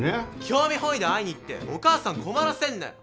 興味本位で会いに行ってお母さん困らせんなよ。